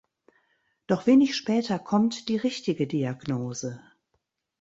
Doch wenig später kommt die richtige Diagnose.